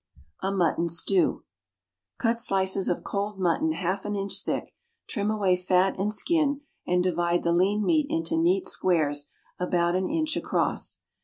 A Mutton Stew. Cut slices of cold mutton half an inch thick, trim away fat and skin and divide the lean meat into neat squares about an inch across.